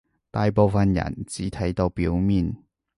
大部分人只睇到表面